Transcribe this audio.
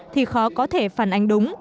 thì khó có thể phản ánh đúng